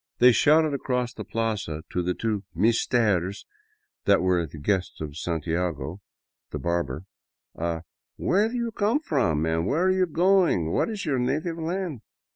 They shouted across the plaza to the two " meestares " that were the guests of Santiago, the barber, a " Where do you come f rom where are you going what is your native land